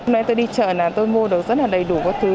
nên tôi đi chợ này tôi mua được rất là đầy đủ các thứ